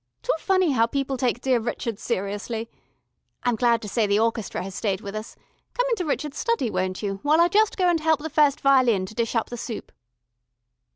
Too funny how people take dear Rrchud seriously. I'm glad to say the orchestra has stayed with us. Come into Rrchud's study, won't you, while I just go and help the first violin to dish up the soup."